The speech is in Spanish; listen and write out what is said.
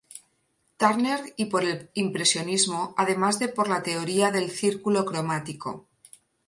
Turner y por el impresionismo, además de por la teoría del círculo cromático.